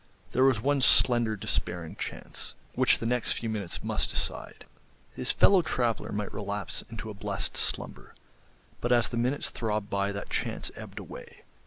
There was one slender despairing chance, which the next few minutes must decide. His fellow traveller might relapse into a blessed slumber. But as the minutes throbbed by that chance ebbed away.